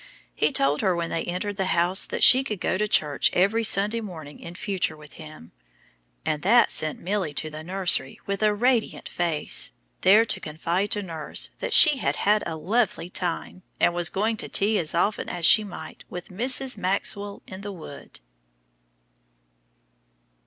He told her when they entered the house that she could go to church every Sunday morning in future with him, and that sent Milly to the nursery with a radiant face, there to confide to nurse that she had had a "lovely time," and was going to tea as often as she might with "Mrs. Maxwell in the wood."